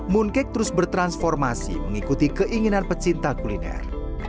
mooncake terus bertransformasi mengikuti keinginan pecinta kuliner